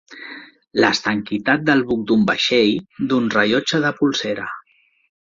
L'estanquitat del buc d'un vaixell, d'un rellotge de polsera.